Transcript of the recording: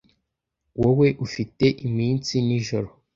Wowe ufite iminsi n'ijoro,